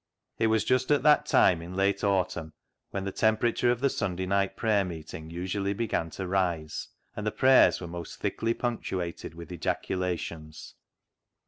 It was just at that time in late autumn when the temperature of the Sunday night prayer meeting usually began to rise, and the prayers were most thickly punctuated with ejaculations.